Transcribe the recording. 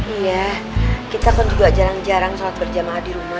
iya kita kan juga jarang jarang sholat berjamaah di rumah